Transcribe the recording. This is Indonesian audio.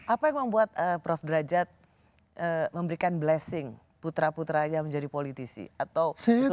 apa yang membuat prof derajat memberikan blessing putra putra aja menjadi politisi atau betul betul akibatnya